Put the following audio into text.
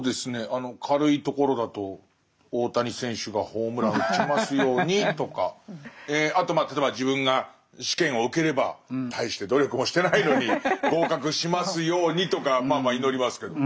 あの軽いところだと大谷選手がホームラン打ちますようにとかあとまあ例えば自分が試験を受ければ大して努力もしてないのに合格しますようにとかまあまあ祈りますけど。